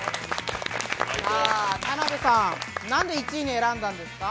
田辺さん、なんで１位に選んだんですか？